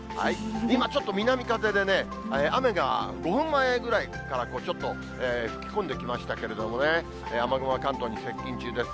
今、ちょっと南風でね、雨が５分前ぐらいから、ちょっと吹き込んできましたけれどもね、雨雲が関東に接近中です。